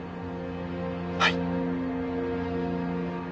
はい